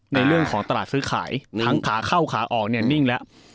ในเรื่องของตลาดซื้อขายทั้งขาเข้าขาออกเนี่ยนิ่งแล้ว